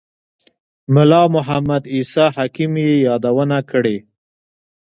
ملا محمد عیسی حکیم یې یادونه کړې.